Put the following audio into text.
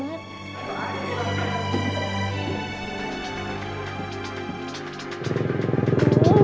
iya bagus banget